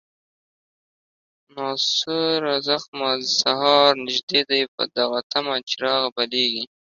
ناسوره زخمه، سهار نژدې دی په دغه طمه، چراغ بلیږي